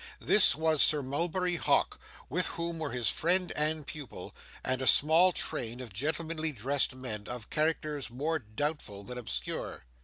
This was Sir Mulberry Hawk, with whom were his friend and pupil, and a small train of gentlemanly dressed men, of characters more doubtful than obscure.